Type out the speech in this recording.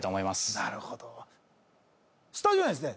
なるほどスタジオにはですね